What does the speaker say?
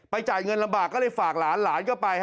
จ่ายเงินลำบากก็เลยฝากหลานหลานก็ไป